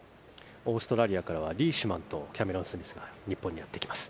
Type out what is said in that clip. オーストラリアからはリーシュマンとキャメロンが日本にやってきます。